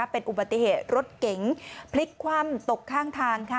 เป็นอุบัติเหตุรถเก๋งพลิกคว่ำตกข้างทางค่ะ